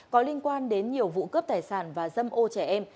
có liên quan đến nhiều vụ cướp tài sản và dâm ô trẻ em